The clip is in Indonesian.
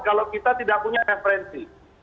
kalau kita tidak punya referensi